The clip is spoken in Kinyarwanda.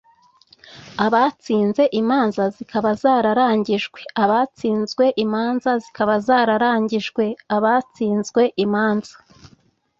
abatsinze imanza zikaba zararangijwe abatsinzwe imanza zikaba zararangijwe abatsinzwe imanza